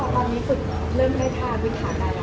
ก็ตอนนี้เริ่มได้ขั้นวิถาใดแล้วใช่มั้ยครับ